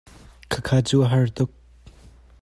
Khakha cu an har tuk.